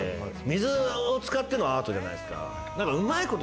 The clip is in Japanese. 水を使ってのアートじゃないですか。